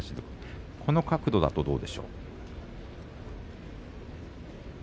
この角度はどうでしょうか。